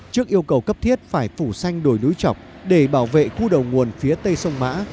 trước yêu cầu cấp thiết phải phủ xanh đồi núi chọc để bảo vệ khu đầu nguồn phía tây sông mã